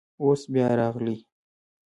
اوس بیا راغلی.